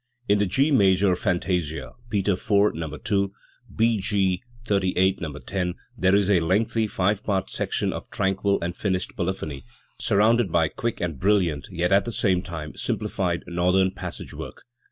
In the G major Fantasia (Peters IV, No. u; B. G. XXXVIII, No. 10) there is a lengthy five part section of tranquil and finished polyphony, surrounded by quick, and brilliant yet at the same time simplified northern passage work.